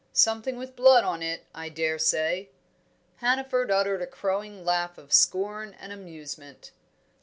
"Something with blood on it, I dare say." Hannaford uttered a crowing laugh of scorn and amusement.